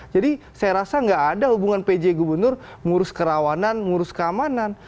jadi saya rasa gak ada hubungan pj gubernur mengurus kerawanan mengurus keamanan